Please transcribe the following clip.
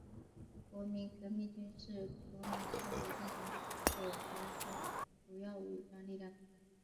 国民革命军是国民政府进行北伐的主要武装力量。